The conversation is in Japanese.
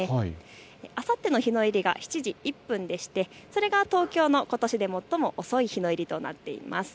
あさっての日の入りが７時１分でしてそれが東京のことしで最も遅い日の入りとなります。